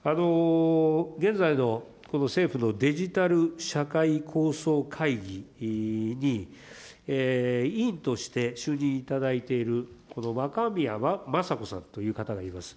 現在のこの政府のデジタル社会構想会議に、委員として就任いただいているこの若宮正子さんという方がいます。